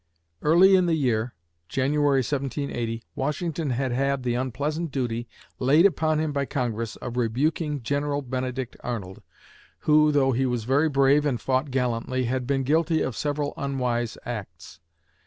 Early in the year (January, 1780), Washington had had the unpleasant duty laid upon him by Congress of rebuking General Benedict Arnold, who, though he was very brave and fought gallantly, had been guilty of several unwise acts.